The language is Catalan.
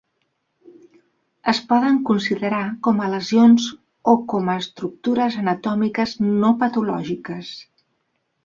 Es poden considerar com a lesions o com a estructures anatòmiques no patològiques.